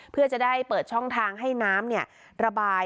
เพื่อจะได้เปิดช่องทางให้น้ำระบาย